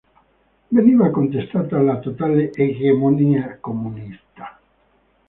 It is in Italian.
Veniva contestata la totale "egemonia comunista".